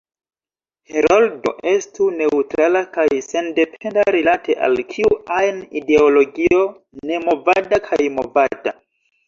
“Heroldo“ estu neŭtrala kaj sendependa rilate al kiu ajn ideologio nemovada kaj movada.